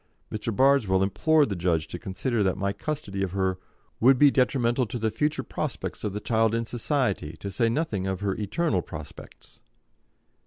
Mr. Bardswell implored the judge to consider that my custody of her "would be detrimental to the future prospects of the child in society, to say nothing of her eternal prospects."